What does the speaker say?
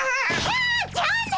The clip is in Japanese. あじゃあね！